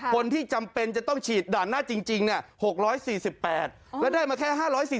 จำเป็นจะต้องฉีดด่านหน้าจริง๖๔๘แล้วได้มาแค่๕๔๐